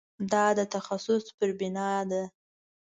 دا د تخصص پر بنا ده.